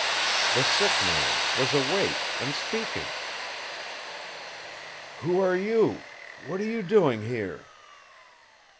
The sick man was awake and speaking! "Who are you? What are you doing here?"